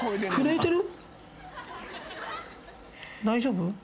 大丈夫？